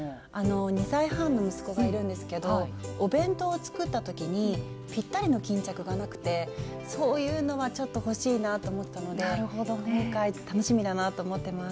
２歳半の息子がいるんですけどお弁当を作った時にぴったりの巾着がなくてそういうのはちょっと欲しいなぁと思ったので今回楽しみだなと思ってます。